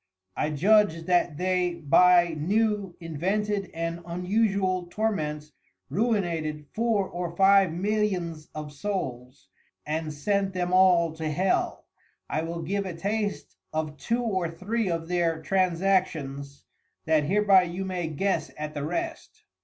I judge that they by new invented and unusual Torments ruinated four or five Millions of Souls and sent them all to Hell. I will give a taste of two or three of their Transactions, that hereby you may guess at the rest.